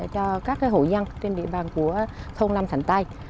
cho các hộ dân trên địa bàn của thôn năm thành tây